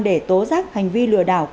để tố giác hành vi lừa đảo